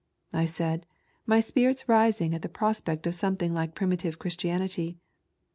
I said, my spirits rising at the prospect of something like primitive Christianity.